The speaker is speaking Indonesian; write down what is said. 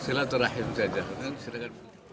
selatuh rahim saja